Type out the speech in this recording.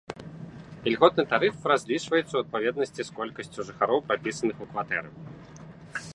Ільготны тарыф разлічваецца ў адпаведнасці з колькасцю жыхароў, прапісаных у кватэры.